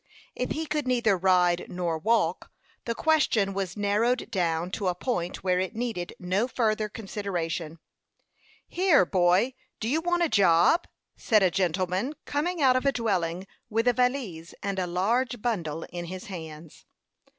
If he could neither ride nor walk, the question was narrowed down to a point where it needed no further consideration. "Here, boy, do you want a job?" said a gentleman, coming out of a dwelling with a valise and a large bundle in his hands.